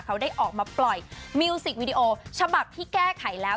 เขาได้ออกมาปล่อยมิวสิกวิดีโอฉบับที่แก้ไขแล้ว